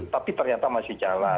tapi ternyata masih jalan